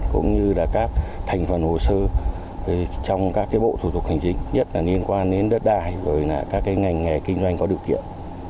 cũng như các thành phần hồ sơ trong các bộ thủ tục hành chính nhất là liên quan đến đất đài các ngành nghề kinh doanh có điều kiện